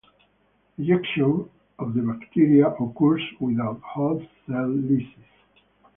Ejection of the bacteria occurs without host cell lysis.